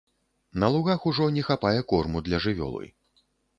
На лугах ужо не хапае корму для жывёлы.